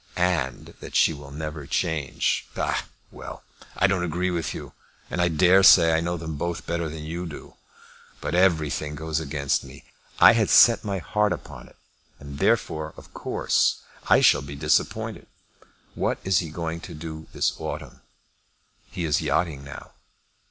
"And that she will never change." "Ah, well; I don't agree with you, and I daresay I know them both better than you do. But everything goes against me. I had set my heart upon it, and therefore of course I shall be disappointed. What is he going to do this autumn?" "He is yachting now."